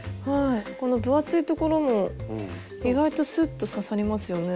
この分厚いところも意外とスッと刺さりますよね。